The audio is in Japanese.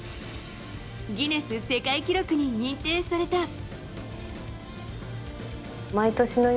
ギネス世界記録に認定された。